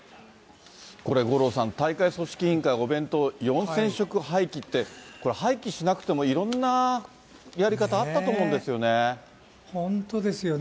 これ五郎さん、大会組織委員会が、お弁当４０００食廃棄って、これは廃棄しなくてもいろんなやり方あったと思うんですよね。